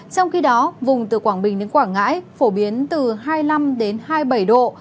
trong khi đó vùng từ quảng bình đến quảng ngãi phổ biến từ hai mươi năm đến hai mươi bảy độ